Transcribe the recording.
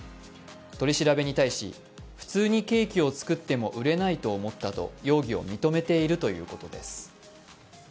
取り調べに対し普通にケーキを作っても売れないと思ったと容疑を認めているということです。